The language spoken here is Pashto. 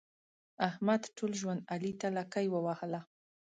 احمد ټول ژوند علي ته لکۍ ووهله.